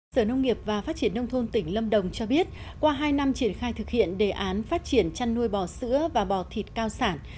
sở nông nghiệp và phát triển nông thôn tỉnh lâm đồng cho biết qua hai năm triển khai thực hiện đề án phát triển chăn nuôi bò sữa và bò thịt cao sản